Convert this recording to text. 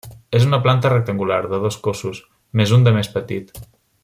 És de planta rectangular, de dos cossos, més un de més petit.